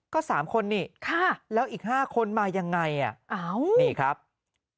ก็๓คนนี่แล้วอีก๕คนมายังไงนี่ครับอ้าว